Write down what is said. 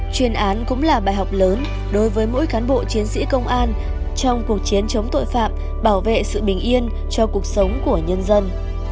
chuyên án cũng là bài học lớn đối với mỗi cán bộ chiến sĩ công an trong cuộc chiến chống tội phạm bảo vệ sự bình yên cho cuộc sống của nhân dân